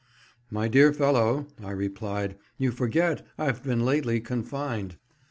"My dear fellow," I replied, "you forget I've been lately confined."